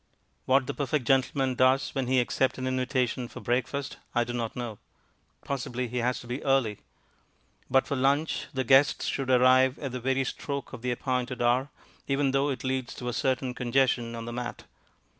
What the perfect gentleman does when he accepts an invitation to breakfast I do not know. Possibly he has to be early. But for lunch the guests should arrive at the very stroke of the appointed hour, even though it leads to a certain congestion on the mat.